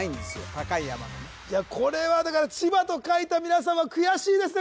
高い山がいやこれはだから千葉と書いた皆さんは悔しいですね